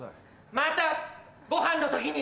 またごはんの時に！